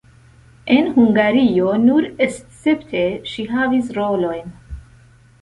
En Hungario nur escepte ŝi havis rolojn.